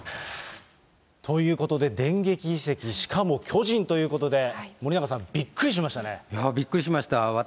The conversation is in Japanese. ということで、電撃移籍、しかも巨人ということで、森永さん、いやー、びっくりしました。